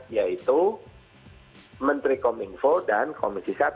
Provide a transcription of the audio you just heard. yaitu menteri kominfo dan komisi satu